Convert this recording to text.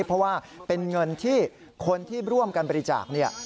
เพราะว่าเป็นเงินที่คนที่ร่วมกันบริจาคเนี่ย